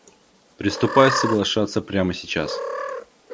Приступаю соглашаться прямо сейчас!